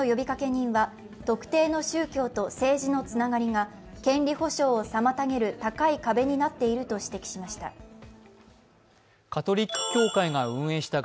人は特定の宗教と政治のつながりが権利保障を妨げる高い壁になっていると指摘しました。